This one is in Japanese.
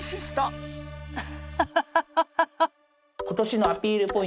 今年のアピール